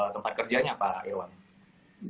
tempat kerjanya pak erwan